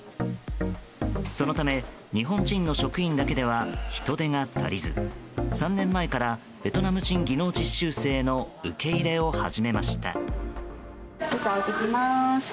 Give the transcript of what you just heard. そのため、日本人の職員だけでは人手が足りず３年前からベトナム人技能実習生の受け入れを始めました。